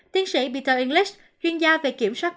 tiến sĩ peter english chuyên gia về kiểm soát